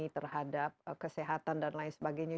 terhadap kesehatan dan lain sebagainya